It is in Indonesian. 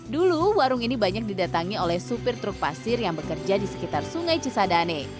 dulu warung ini banyak didatangi oleh supir truk pasir yang bekerja di sekitar sungai cisadane